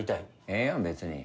ええやん別に。